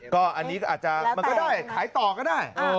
ก็อันนี้ก็อาจจะมันก็ได้ขายต่อก็ได้